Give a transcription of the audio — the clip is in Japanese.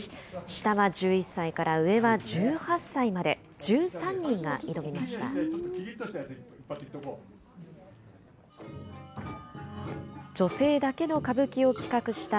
下は１１歳から、上は１８歳まで、１３人が挑みました。